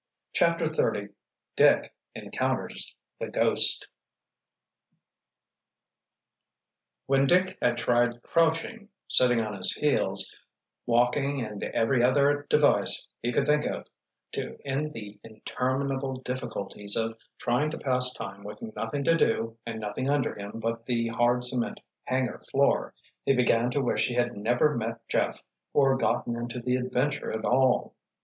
CHAPTER XXX DICK ENCOUNTERS THE "GHOST" When Dick had tried crouching, sitting on his heels, walking and every other device he could think of to end the interminable difficulties of trying to pass time with nothing to do and nothing under him but the hard cement hangar floor, he began to wish he had never met Jeff or gotten into the adventure at all.